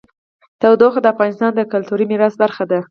تودوخه د افغانستان د کلتوري میراث برخه ده.